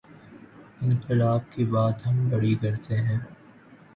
انقلا ب کی بات ہم بڑی کرتے ہیں۔